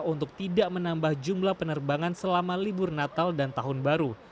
untuk tidak menambah jumlah penerbangan selama libur natal dan tahun baru